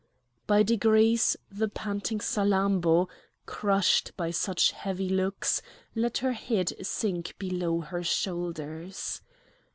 By degrees the panting Salammbô, crushed by such heavy looks, let her head sink below her shoulders.